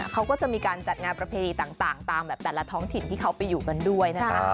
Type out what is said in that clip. เขาก็จะมีการจัดงานประเพณีต่างตามแบบแต่ละท้องถิ่นที่เขาไปอยู่กันด้วยนะคะ